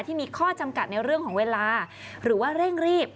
ที่มีข้อจำกัดในเรื่องของเวลาหรือว่าเร่งรีบ